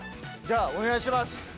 じゃあお願いします。